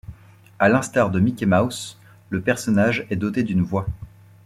À l'instar de Mickey Mouse, le personnage est doté d'une voix.